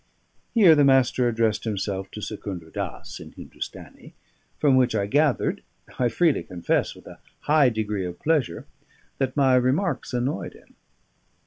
Here the Master addressed himself to Secundra Dass in Hindustanee, from which I gathered (I freely confess, with a high degree of pleasure) that my remarks annoyed him.